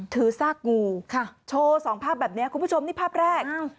ถือซากงูโชว์สองภาพแบบนี้คุณผู้ชมนี่ภาพแรก